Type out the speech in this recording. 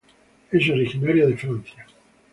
Es originaria de Francia.